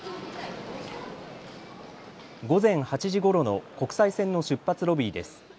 午前８時ごろの国際線の出発ロビーです。